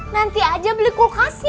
nanti aja beli kulkasnya